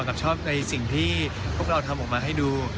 กับชอบในสิ่งที่พวกเราทำออกมาให้ดู